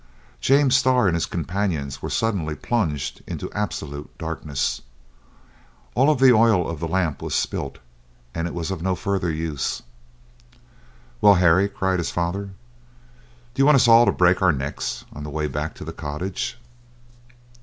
James Starr and his companions were suddenly plunged in absolute darkness. All the oil of the lamp was spilt, and it was of no further use. "Well, Harry," cried his father, "do you want us all to break our necks on the way back to the cottage?"